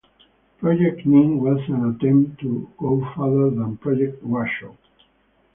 Project Nim was an attempt to go further than Project Washoe.